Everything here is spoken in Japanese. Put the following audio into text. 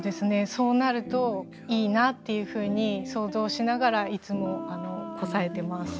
そうなるといいなっていうふうに想像しながらいつもこさえてます。